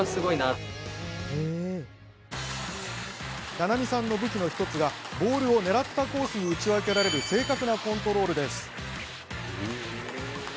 菜々美さんの武器の１つがボールを狙ったコースに打ち分けられる正確なコントロールです。